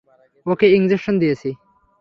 ওকে injection দিয়েছি।